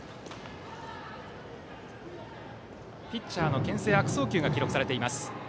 ピッチャーのけん制悪送球が記録されています。